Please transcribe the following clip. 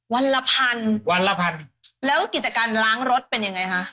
วันละพันวันละพันแล้วกิจการล้างรถเป็นยังไงคะ